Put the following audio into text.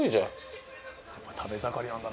食べ盛りなんだな。